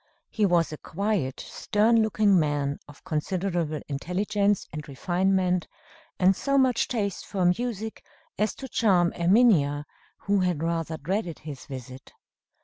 He was a quiet, stern looking man, of considerable intelligence and refinement, and so much taste for music as to charm Erminia, who had rather dreaded his visit.